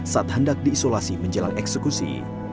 saat hendak diisolasi menjelang eksekusi